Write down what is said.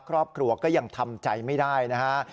ครอบครัวก็ยังทำใจไม่ได้นะฮะ